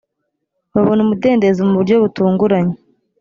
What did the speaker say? babona umudendezo mu buryo butunguranye